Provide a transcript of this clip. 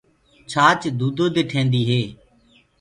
ڇآچ دودو دي ٺينديٚ هي۔